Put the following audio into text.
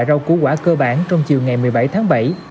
rau cua có kết quả cơ bản trong chiều ngày một mươi bảy tháng bảy